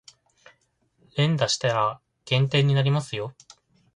連打したら減点になりますよ